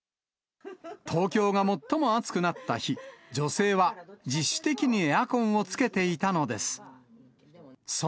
東京が最も暑くなった日、女性は自主的にエアコンをつけていたのです。